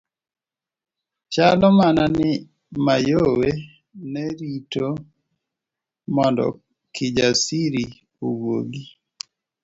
Chalo mana ni Mayowe ne rito mondo Kijasiri owuogi.